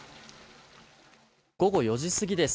午後４時過ぎです。